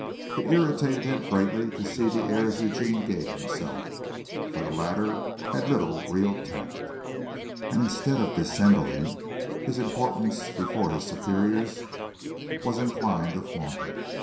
It irritated him greatly to see the airs Eugene gave himself, for the latter had little real tact, and instead of dissembling his importance before his superiors was inclined to flaunt it.